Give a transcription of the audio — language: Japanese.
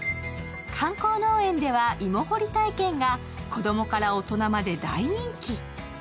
観光農園では芋掘り体験が子供から大人まで大人気。